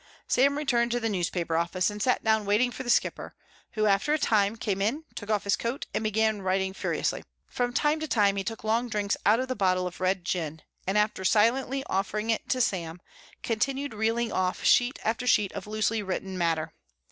Sam returned to the newspaper office and sat down waiting for The Skipper who, after a time, came in, took off his coat and began writing furiously. From time to time he took long drinks out of the bottle of red gin, and after silently offering it to Sam, continued reeling off sheet after sheet of loosely written matter.